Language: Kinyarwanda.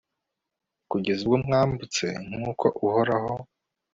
kugeza ubwo mwambutse, nk'uko uhoraho